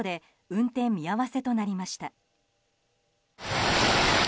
運転見合わせとなりました。